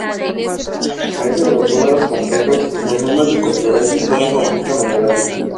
A diferencia de los números complejos los números algebraicos son un conjunto numerable.